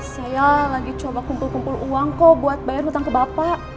saya lagi coba kumpul kumpul uang kok buat bayar hutang ke bapak